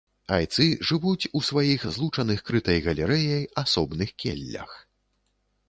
Айцы жывуць у сваіх злучаных крытай галерэяй асобных келлях.